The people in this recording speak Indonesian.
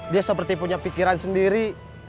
dia seperti punya pikiran sendiri